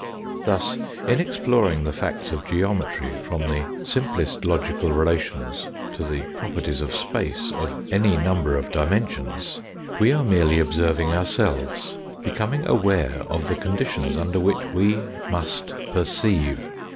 Thus, in exploring the facts of geometry from the simplest logical relations to the properties of space of any number of dimensions, we are merely observing ourselves, becoming aware of the conditions under which we must perceive.